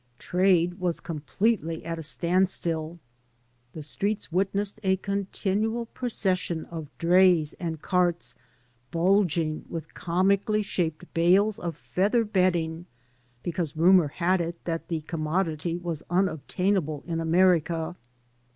Trade was completely at a standstill. The streets witnessed a continual procession of trays and carts btdging with comically shaped bales of feather bedding, because rumor had it that the com modity was unobtainable in America.